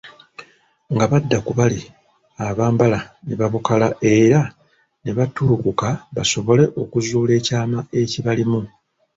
Nga badda ku bali abambala ne babukala era ne battulukuka basobole okuzuula ekyama ekibalimu.